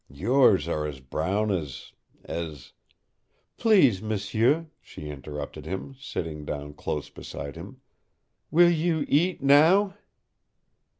Yours are as brown as as " "Please, m'sieu," she interrupted him, sitting down close beside him. "Will you eat now?"